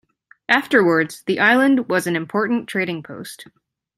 Afterwards, the island was an important trading post.